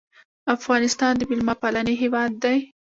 افغانستان د میلمه پالنې هیواد دی